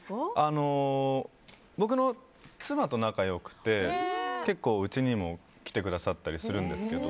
僕の妻と仲が良くて結構家にも来てくれたりするんです。